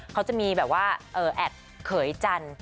เขาจะมีแบบว่าแอดเขยจันทร์